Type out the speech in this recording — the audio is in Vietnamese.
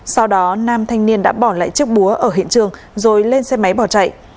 sau đó nam thanh niên đã bỏ lại chiếc búa ở hiện trường rồi lên xe máy bỏ chạy